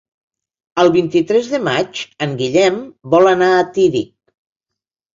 El vint-i-tres de maig en Guillem vol anar a Tírig.